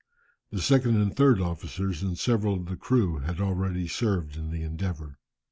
The second and third officers, and several of the crew had already served in the Endeavour.